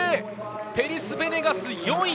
ペリス・ベネガス、４位。